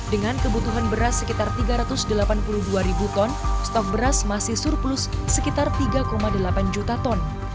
dengan kebutuhan beras sekitar tiga ratus delapan puluh dua ribu ton stok beras masih surplus sekitar tiga delapan juta ton